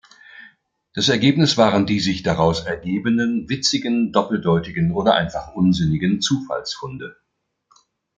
Das Ergebnis waren die sich daraus ergebenden witzigen, doppeldeutigen oder einfach unsinnigen Zufallsfunde.